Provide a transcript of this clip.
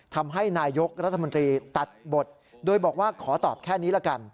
ทำให้นายกรัฐมนตรีตัดบทโดยบอกว่าขอตอบแค่นี้ละกัน